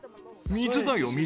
水だよ、水。